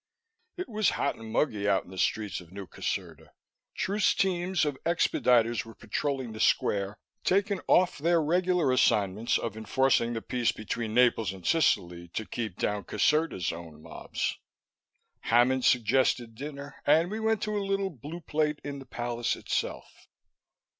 It was hot and muggy out in the streets of New Caserta. Truce teams of expediters were patrolling the square, taken off their regular assignments of enforcing the peace between Naples and Sicily to keep down Caserta's own mobs. Hammond suggested dinner, and we went to a little Blue Plate in the palace itself.